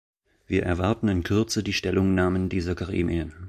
Wir erwarten in Kürze die Stellungnahmen dieser Gremien.